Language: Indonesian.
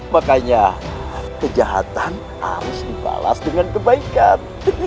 makanya kejahatan harus dibalas dengan kebaikan